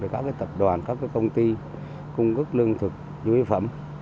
các tập đoàn các công ty cung ứng lương thực dưới phẩm